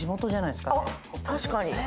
確かに。